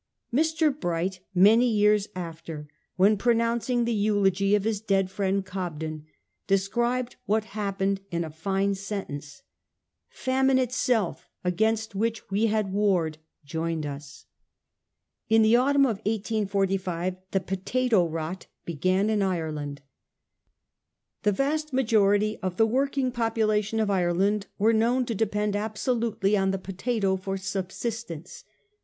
Mr. Bright many years after, when pro nouncing the eulogy of his dead friend Cobden, de scribed what happened in a fine sentence : 'Famine itself, against which we had warred, joined us.' In the autumn of 1845 the potato rot began in Ireland. The vast majority of the working population of Ireland were known to depend absolutely on the potato for subsistence.